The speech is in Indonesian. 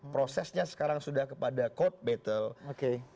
prosesnya sekarang sudah kepada code battle